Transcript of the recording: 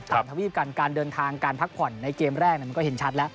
ทวีปกันการเดินทางการพักผ่อนในเกมแรกมันก็เห็นชัดแล้ว